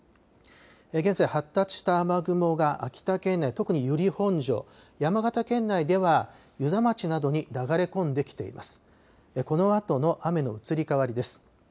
現在発達した雨雲が秋田県内、特に由利本荘山形県内では西和賀町などに流れ込んできています。